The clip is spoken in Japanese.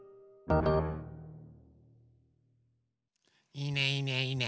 いいねいいねいいね。